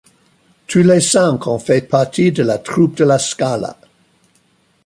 Tous les cinq ont fait partie de la troupe de la Scala.